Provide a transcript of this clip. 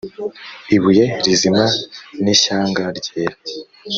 ibuye rizima n ishyanga ryera